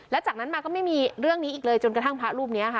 แล้วจากนั้นมาก็ไม่มีเรื่องนี้อีกเลยจนกระทั่งพระรูปนี้ค่ะ